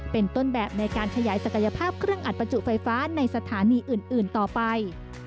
เป็นต้นแบบในการขยายศักยภาพเครื่องอัดประจุไฟฟ้าในสถานีอื่นต่อไป